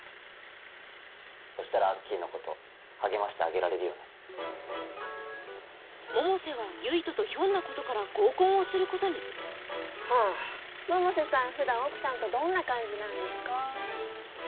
そしたらアッキーのこと励ましてあげられるよね百瀬は唯斗とひょんなことから合コンをすることに百瀬さんふだん奥さんとどんな感じなんですか？